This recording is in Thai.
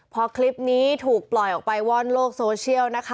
พอคลิปนี้ถูกปล่อยออกไปว่อนโลกโซเชียลนะคะ